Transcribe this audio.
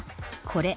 「これ」